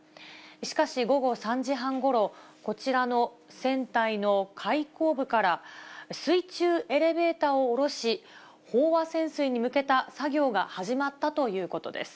しかし、午後３時半ごろ、こちらの船体の開口部から、水中エレベーターを降ろし、飽和潜水に向けた作業が始まったということです。